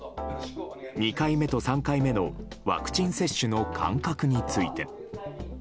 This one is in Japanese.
２回目と３回目のワクチン接種の間隔について。